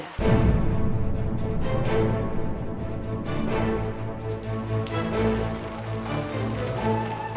tinggal nunggu persetujuan kamu aja